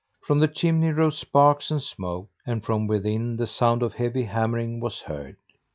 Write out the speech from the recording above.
From the chimney rose sparks and smoke, and from within the sound of heavy hammering was heard.